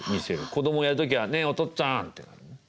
子どもやる時は「ねえお父っつぁん」ってなる。